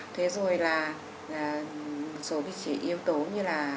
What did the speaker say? thế rồi là một số cái yếu tố như là